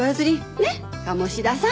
ねっ鴨志田さん！